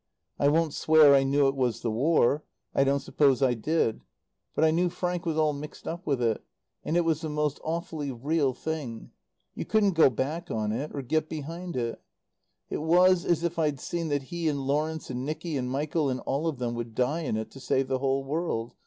I won't swear I knew it was the War. I don't suppose I did. But I knew Frank was all mixed up with it. And it was the most awfully real thing. You couldn't go back on it, or get behind it. It was as if I'd seen that he and Lawrence and Nicky and Michael and all of them would die in it to save the whole world.